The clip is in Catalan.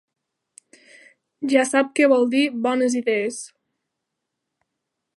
Ja sap què vol dir bones idees